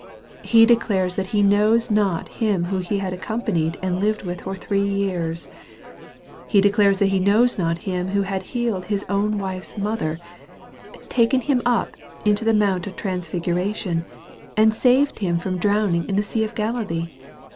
He declares that he knows not Him whom he had accon'panied and lived with for three years ! He declares that he knows not Him who had healed his own wife's mother, taken him up into the mount of transfiguration, and saved him from drowning in the sea of Galilee